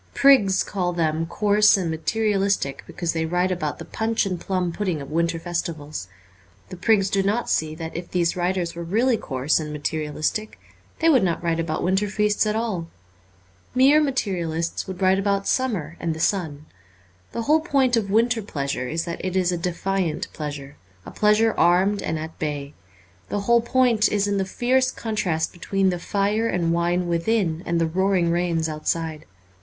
Prigs call them coarse and materialistic because they write about the punch and plum pudding of winter festivals. The prigs do not see that if these writers were really coarse and materialistic they would not write about winter feasts at all. Mere materialists would write about summer and the sun. The whole point of winter pleasure is that it is a defiant pleasure, a pleasure armed and at bay. The whole point is in the fierce contrast between the fire and wine within and the roaring rains outside.